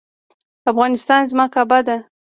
افغانستان زما کعبه ده